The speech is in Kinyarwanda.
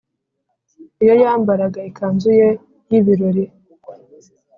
iyo yambaraga ikanzu ye y’ibirori,